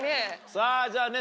さぁじゃあね